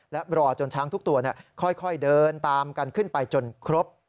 และรอจนช้างทุกตัวค่อยเดินตามกันขึ้นไปจนครบ